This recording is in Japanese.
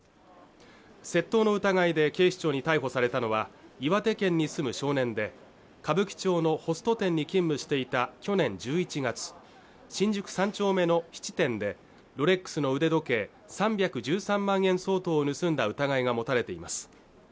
窃盗の疑いで警視庁に逮捕されたのは岩手県に住む少年で歌舞伎町のホスト店に勤務していた去年１１月新宿三丁目の質店でロレックスの腕時計３１３万円相当を盗んだ疑いが持たれています